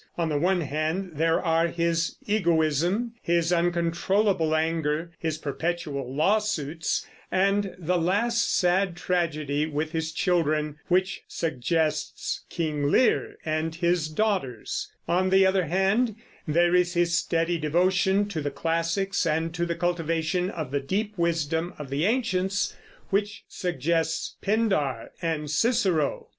On the one hand, there are his egoism, his unncontrollable anger, his perpetual lawsuits, and the last sad tragedy with his children, which suggests King Lear and his daughters; on the other hand there is his steady devotion to the classics and to the cultivation of the deep wisdom of the ancients, which suggests Pindar and Cicero.